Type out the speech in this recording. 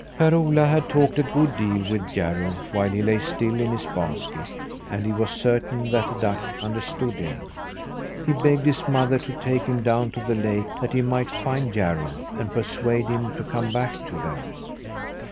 Per Ola had talked a good deal with Jarro while he lay still in his basket, and he was certain that the duck understood him. He begged his mother to take him down to the lake that he might find Jarro, and persuade him to come back to them.